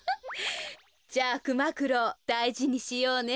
じゃあくまくろうだいじにしようね。